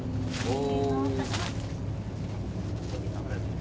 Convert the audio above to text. お！